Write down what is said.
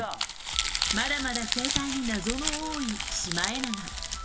まだまだ生態に謎の多いシマエナガ。